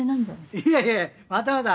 いやいやまたまた！